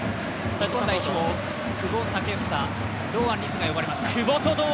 久保建英、堂安律が呼ばれました。